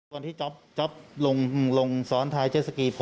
พอที่จ๊อปลงรองซ้อนท้ายเจศกี